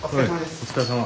お疲れさま。